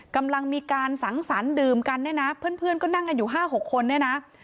กำลังมีการสังสรรค์ดื่มกันนะนะเพื่อนก็นั่งอยู่๕๖คนนะนะ